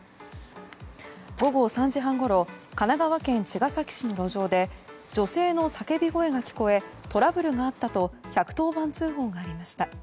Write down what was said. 午後３時半ごろ神奈川県茅ヶ崎市の路上で女性の叫び声が聞こえトラブルがあったと１１０番通報がありました。